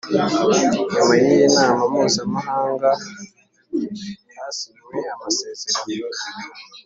Nyuma y iyi nama mpuzamahanga hasinywe amasezerano